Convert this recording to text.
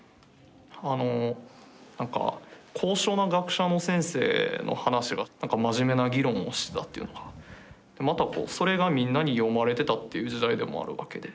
あのなんか高尚な学者の先生の話がなんか真面目な議論をしてたというのがまたそれがみんなに読まれてたっていう時代でもあるわけで。